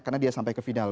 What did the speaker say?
karena dia sampai ke final